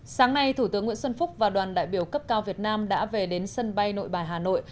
sáng nay thủ tướng nguyễn xuân phúc và đoàn đại biểu cấp cao việt nam đã về đến sân bay nội bài hà nội